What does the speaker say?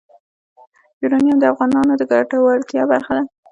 یورانیم د افغانانو د ګټورتیا برخه ده.